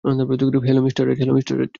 Hello, mister right.